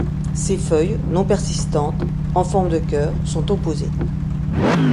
Ses feuilles, non persistantes, en forme de cœur, sont opposées.